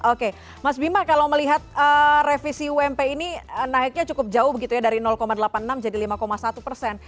oke mas bima kalau melihat revisi ump ini naiknya cukup jauh begitu ya dari delapan puluh enam jadi lima satu persen